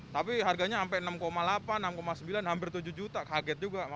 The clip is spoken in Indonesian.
tapi harganya sampai enam delapan enam sembilan hampir tujuh juta kaget juga